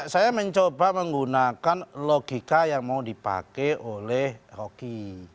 saya mencoba menggunakan logika yang mau dipakai oleh rocky